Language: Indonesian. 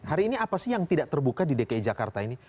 hari ini apa sih yang tidak terbuka di dki jakarta ini